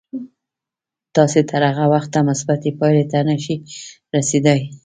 تاسې تر هغه وخته مثبتې پايلې ته نه شئ رسېدای.